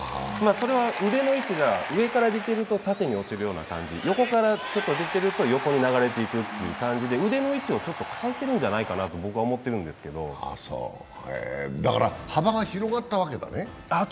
それは腕の位置が、上から出てると縦に落ちる感じ、横から出てると横に流れていくという感じで、腕の位置をちょっと変えているんじゃないかなと、僕は思っているんだから幅が広がったんだね？